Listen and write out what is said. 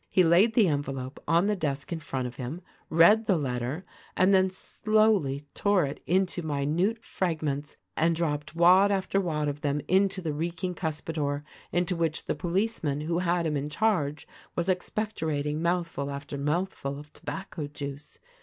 He laid the envelope on the desk in front of him, read the letter and then slowly tore it into minute fragments and dropped wad after wad of them into the reeking cuspidor into which the policeman who had him in charge was expectorating mouthful after mouthful of tobacco juice.